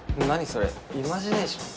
それイマジネーション？